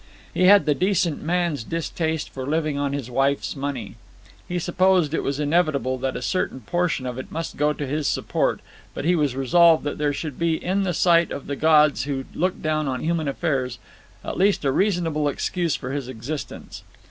He had the decent man's distaste for living on his wife's money. He supposed it was inevitable that a certain portion of it must go to his support, but he was resolved that there should be in the sight of the gods who look down on human affairs at least a reasonable excuse for his existence.